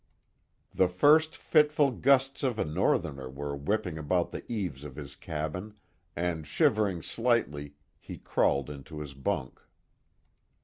The first fitful gusts of a norther were whipping about the eaves of his cabin, and shivering slightly, he crawled into his bunk.